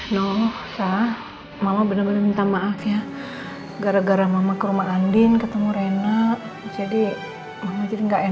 noh sah mama bener bener minta maaf ya gara gara mama ke rumah andin ketemu rena jadi jadi nggak